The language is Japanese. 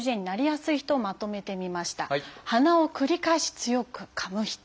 「鼻を繰り返し強くかむ人」。